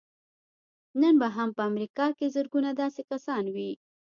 نن به هم په امريکا کې زرګونه داسې کسان وي.